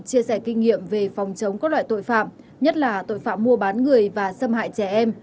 chia sẻ kinh nghiệm về phòng chống các loại tội phạm nhất là tội phạm mua bán người và xâm hại trẻ em